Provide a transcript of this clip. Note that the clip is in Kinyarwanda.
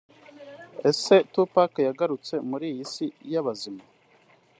Ese Tupac yagarutse mu isi y’abazima